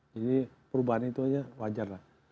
jadi perubahan itu aja wajar lah